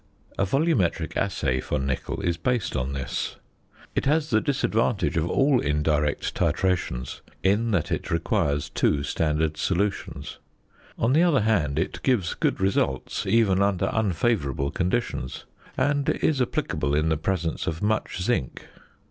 A volumetric assay for nickel is based on this. It has the disadvantage of all indirect titrations in that it requires two standard solutions. On the other hand it gives good results even under unfavourable conditions, and is applicable in the presence of much zinc.